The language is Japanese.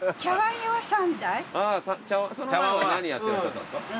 あぁその前は何やってらっしゃったんですか？